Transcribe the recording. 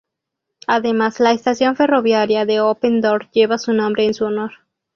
Además, la estación ferroviaria de Open Door lleva su nombre en su honor.